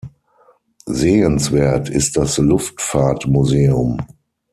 Sehenswert ist das Luftfahrtmuseum.